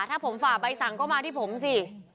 ถ้าผมฝ่าใบสั่งก็มาที่ผมสิ